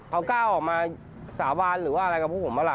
เอาก้าวออกมาสาบานหรือว่าอะไรกับพวกผมบ้างล่ะ